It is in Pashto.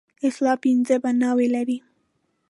اسلام پنځه بناوې لري.